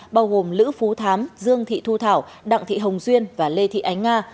bao gồm lữ phú thám dương thị thu thảo đặng thị hồng duyên và lê thị ánh nga